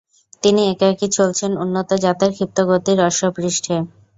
তিনি একাকী চলছেন উন্নত জাতের ক্ষিপ্ত গতির অশ্বপৃষ্ঠে।